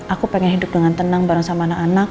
aku pengen hidup dengan tenang bareng sama anak anak